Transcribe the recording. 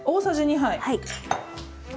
はい。